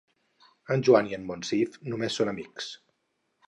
En Joan i en Monsif només són amics.